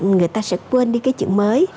người ta sẽ quên đi cái chữ mới